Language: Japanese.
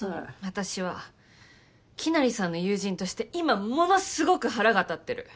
私はきなりさんの友人として今ものすごく腹が立ってる。